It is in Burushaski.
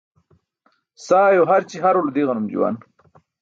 Sayo harci harulo di̇ġanum juwan.